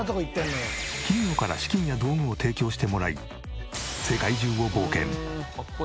企業から資金や道具を提供してもらい世界中を冒険。